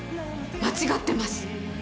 間違ってます。